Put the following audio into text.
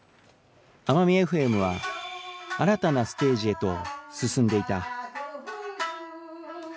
あまみエフエムは新たなステージへと進んでいた